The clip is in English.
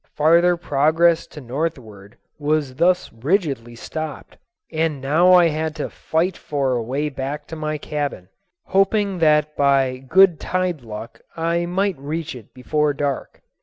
Farther progress to northward was thus rigidly stopped, and now I had to fight for a way back to my cabin, hoping that by good tide luck I might reach it before dark.